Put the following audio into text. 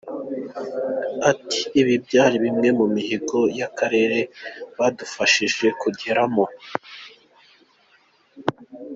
Ati “Ibi byari bimwe mu mihigo y’akarere badufashije kugeraho.